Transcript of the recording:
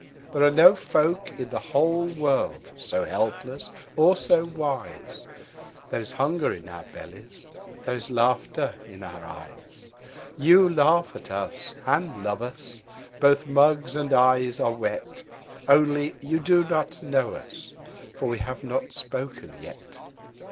There are no folk in the whole world so helpless or so wise. There is hunger in our bellies, there is laughter in our eyes; You laugh at us and love us, both mugs and eyes are wet: Only you do not know us. For we have not spoken yet.